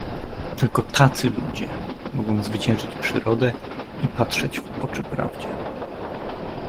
"Tylko tacy ludzie mogą zwyciężyć Przyrodę i patrzeć w oczy prawdzie."